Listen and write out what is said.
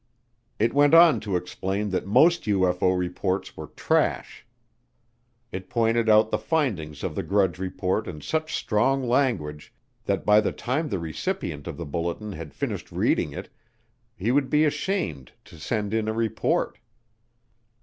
It went on to explain that most UFO reports were trash. It pointed out the findings of the Grudge Report in such strong language that by the time the recipient of the bulletin had finished reading it, he would be ashamed to send in a report.